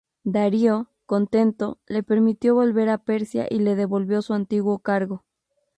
Darío, contento, le permitió volver a Persia y le devolvió su antiguo cargo.